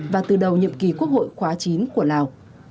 và từ đầu nhiệm kỳ quốc hội khóa chín của lào